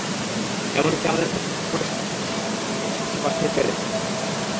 এমনকি আমাদের খড়মেও বাঁশ ছিল, কাঠের আসবাবে আমরা ব্যবহার করেছি বাঁশের পেরেক।